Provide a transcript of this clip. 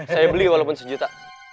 saya beli walaupun sejuta